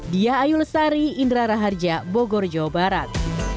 dia ayul sari indra raharja bogor jawa barat